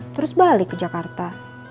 terus balik ke jakarta